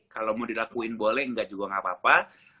kalau mau dilakuin boleh nggak juga nggak apa apa